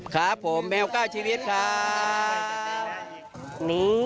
ครับผมแมว๙ชีวิตครับ